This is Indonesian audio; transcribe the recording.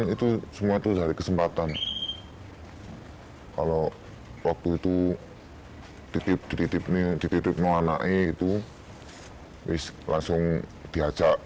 itu semua kesempatan kalau waktu itu titip titipnya titipnya anak itu langsung diajak